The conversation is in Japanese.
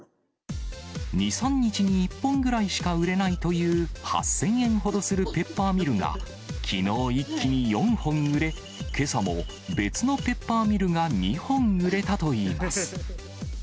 ２、３日に１本ぐらいしか売れないという８０００円ほどするペッパーミルが、きのう一気に４本売れ、けさも別のペッパーミルが２本売れたといいます。